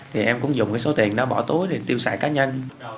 thì em cũng dùng cái số tiền đó bỏ túi để tiêu xài cá nhân